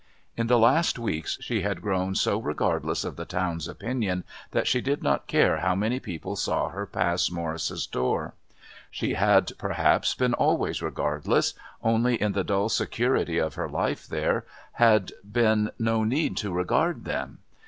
In the last weeks she had grown so regardless of the town's opinion that she did not care how many people saw her pass Morris' door. She had, perhaps, been always regardless, only in the dull security of her life there had been no need to regard them.